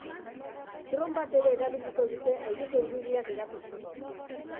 Drone bat ere erabiliko dute aireko irudiak erakusteko.